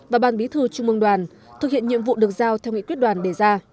và ban bí thư trung mương đoàn thực hiện nhiệm vụ được giao theo nghị quyết đoàn đề ra